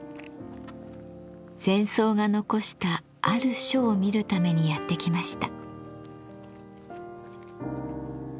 禅僧が残したある書を見るためにやって来ました。